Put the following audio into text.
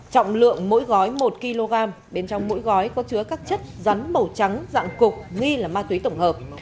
trọng lượng mỗi gói một kg bên trong mỗi gói có chứa các chất rắn màu trắng dạng cục nghi là ma túy tổng hợp